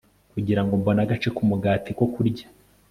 kugira ngo mbone agace k'umugati ko kurya